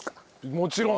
もちろん。